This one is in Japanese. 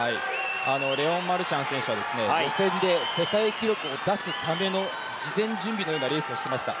レオン・マルシャン選手は予選で、世界記録を出すための事前準備のようなレースをしていました。